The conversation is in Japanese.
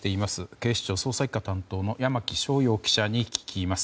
警視庁捜査１課担当の山木翔遥記者に聞きます。